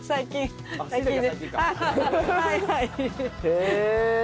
へえ！